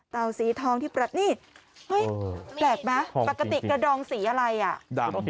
สีทองที่ประนีตเฮ้ยแปลกไหมปกติกระดองสีอะไรอ่ะ